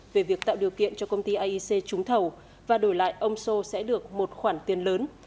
về việc tạo điều kiện cho công ty iec trúng thầu và đổi lại ông sô sẽ được một khoản tiền lớn